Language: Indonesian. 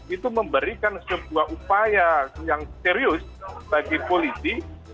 itu memberikan sebuah upaya yang serius bagi polisi